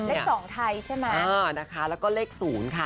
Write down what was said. เลข๒ไทยใช่ไหมเออนะคะแล้วก็เลข๐ค่ะ